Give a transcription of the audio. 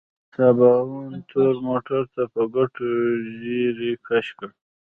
سباوون تور موټر ته په کتو ږيرې کش کړ.